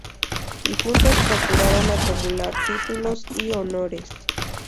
Y juntos procuraron acumular títulos y honores.